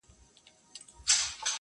ډبره د يتيم د سره نه چپېږى.